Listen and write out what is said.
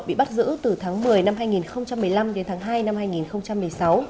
bị bắt giữ từ tháng một mươi năm hai nghìn một mươi năm đến tháng hai năm hai nghìn một mươi sáu